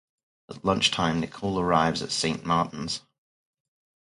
At lunchtime, Nichole arrives at Saint Martin's.